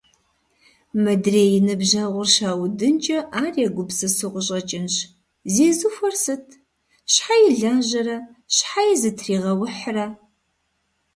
Мыдрей и ныбжьэгъур щаудынкӏэ, ар егупсысу къыщӏэкӏынщ: «Зезыхуэр сыт… Щхьэи лажьэрэ, щхьэи зытригъэухьрэ!».